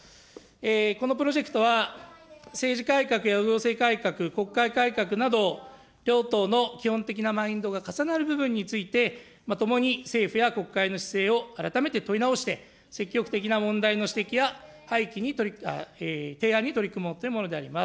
このプロジェクトは、政治改革や行政改革、国会改革など、両党の基本的なマインドが重なる部分について、まともに政府や国会の姿勢を改めて問い直して、積極的な問題の指摘や提案に取り組もうというものであります。